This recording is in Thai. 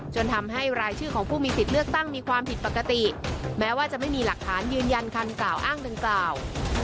จนทำให้รายชื่อของผู้มีสิทธิ์เลือกตั้งมีความผิดปกติแม้ว่าจะไม่มีหลักฐานยืนยันคำกล่าวอ้างดังกล่าว